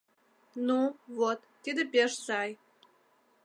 — Ну, вот, тиде пеш сай!